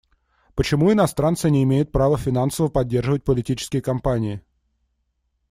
Почему иностранцы не имеют права финансово поддерживать политические кампании?